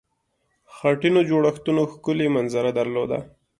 خټینو جوړښتونو ښکلې منظره درلوده.